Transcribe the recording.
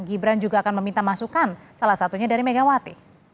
gibran juga akan meminta masukan salah satunya dari megawati